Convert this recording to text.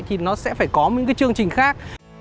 thì nó sẽ phải có những chương trình khác